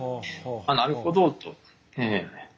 なるほど！と。